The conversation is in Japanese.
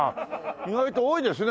意外と多いですね